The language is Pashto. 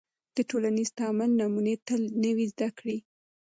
د ټولنیز تعامل نمونې تل نوې زده کړې